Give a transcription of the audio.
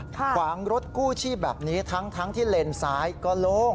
ขวางรถกู้ชีพแบบนี้ทั้งทั้งที่เลนสายก็ลง